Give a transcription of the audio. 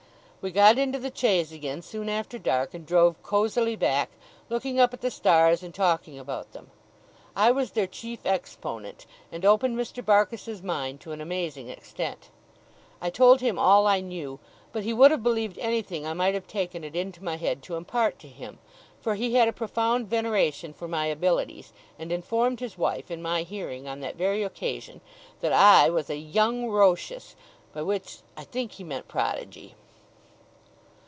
We got into the chaise again soon after dark, and drove cosily back, looking up at the stars, and talking about them. I was their chief exponent, and opened Mr. Barkis's mind to an amazing extent. I told him all I knew, but he would have believed anything I might have taken it into my head to impart to him; for he had a profound veneration for my abilities, and informed his wife in my hearing, on that very occasion, that I was 'a young Roeshus' by which I think he meant prodigy.